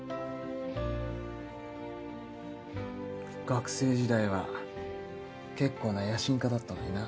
学生時代は結構な野心家だったのにな